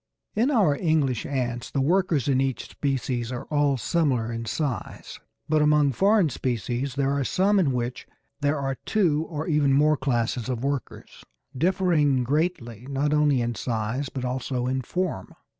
In our English ants the workers in each species are all similar except in size, but among foreign species there are some in which there are two or even more classes of workers, differing greatly not only in size, but also in form.